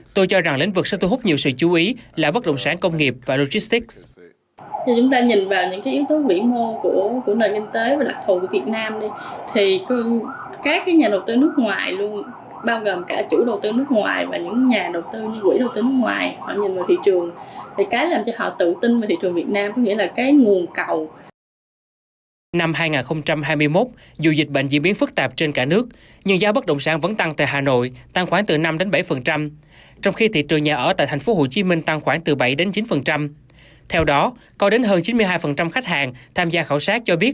tôi cho rằng lĩnh vực sẽ thu hút nhiều sự chú ý là bất động sản công nghiệp và logistics